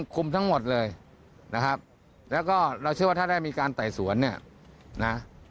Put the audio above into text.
คุ้มทั้งหมดเลยแล้วก็เราเชื่อว่าถ้าได้มีบุญใหม่ได้แล้ว